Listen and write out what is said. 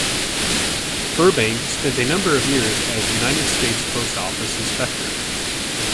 Burbank spent a number of years as United States post office inspector.